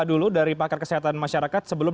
dulu dari pakar kesehatan masyarakat sebelum